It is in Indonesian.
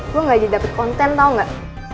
gue gak didapet konten tau gak